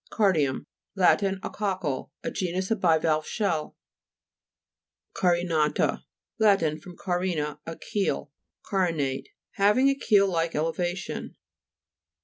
CAR'DIUM Lat. A cockle. A genus of bivalve shell (p. 81). CARINA'TA Lat. from carina, a keel. Carinate ; having a keel like eleva tion.